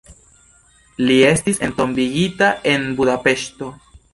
Li estis entombigita en Budapeŝto.